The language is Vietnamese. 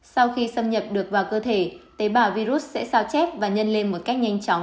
sau khi xâm nhập được vào cơ thể tế bào virus sẽ sao chép và nhân lên một cách nhanh chóng